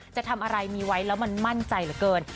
จะทำอะไรมีไว้แล้วมันมั่นใจเหลือเกิน